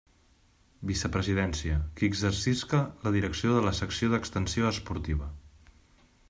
Vicepresidència: qui exercisca la direcció de la Secció d'Extensió Esportiva.